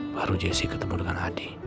baru jessy ketemu dengan adi